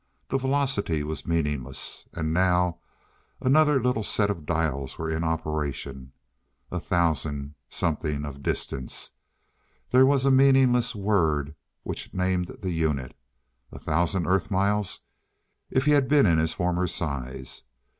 The velocity was meaningless. And now another little set of dials were in operation. A thousand something of distance. There was a meaningless word which named the unit. A thousand Earth miles, if he had been in his former size?